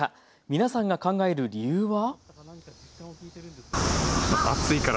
皆さんが考える理由は。